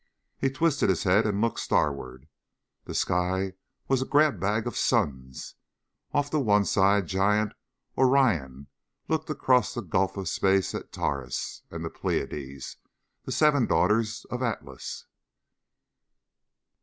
He twisted his head and looked starward. The sky was a grab bag of suns. Off to one side giant Orion looked across the gulf of space at Taurus and the Pleiades, the seven daughters of Atlas.